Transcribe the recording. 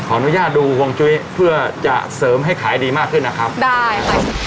อนุญาตดูห่วงจุ้ยเพื่อจะเสริมให้ขายดีมากขึ้นนะครับได้ค่ะ